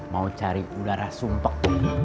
mau cari udara sumpuk